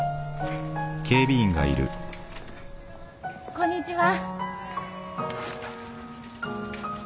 こんにちは。